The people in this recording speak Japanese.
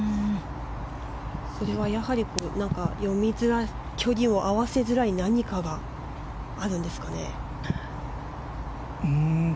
それは、やはり距離を合わせづらい何かがあるんですかね。